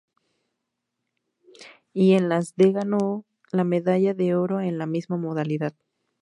Y en las de ganó la medalla de oro en la misma modalidad.